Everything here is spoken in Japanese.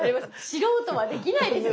素人はできないです。